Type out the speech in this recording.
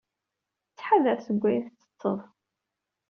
Ttḥadar seg wayen tettetted.